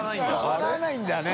笑わないんだね。